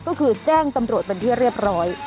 ก็คือแจ้งตำรวจเป็นที่เรียบร้อย